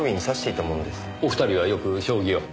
お二人はよく将棋を？